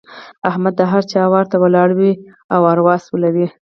احمد د هر چا وره ته ولاړ وي او اروا سولوي.